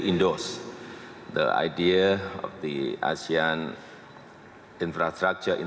untuk memperkenalkan ide infrastruktur asia